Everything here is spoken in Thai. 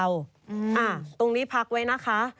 ตรงนี้พักไว้นะคะ